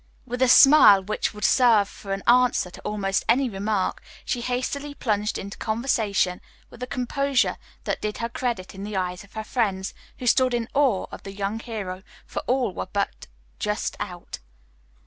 With a smile which would serve for an answer to almost any remark, she hastily plunged into conversation with a composure that did her credit in the eyes of her friends, who stood in awe of the young hero, for all were but just out.